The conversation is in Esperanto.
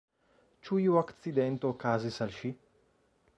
Ĉu iu akcidento okazis al ŝi?